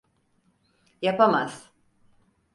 Yapamaz.